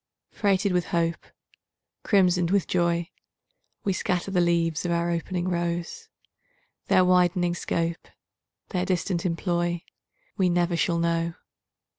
Freighted with hope, Crimsoned with joy, We scatter the leaves of our opening rose; Their widening scope, Their distant employ, We never shall know.